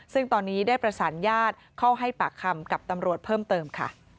ซึ่งตอนนี้ได้ประสานญาติเข้าให้ปากคำกับตำรวจเพิ่มเติมค่ะ